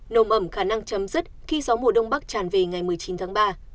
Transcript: nồm ẩm khả năng chấm dứt khi gió mùa đông bắc tràn về ngày một mươi chín tháng ba